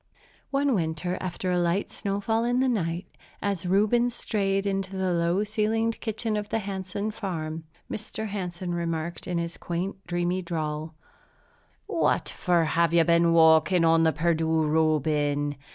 One winter, after a light snowfall in the night, as Reuben strayed into the low ceilinged kitchen of the Hansen farm house, Mr. Hansen remarked in his quaint, dreamy drawl, "What for have you been walking on the Perdu, Reuben?